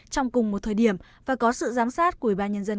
trong cùng một thời điểm và có sự giám sát của ủy ban nhân dân